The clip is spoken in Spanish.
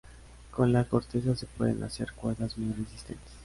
Con la corteza se pueden hacer cuerdas muy resistentes.